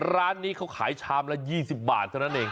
ร้านนี้เขาขายชามละ๒๐บาทเท่านั้นเอง